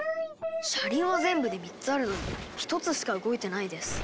車輪は全部で３つあるのに１つしか動いてないです。